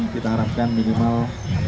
kita harapkan minimal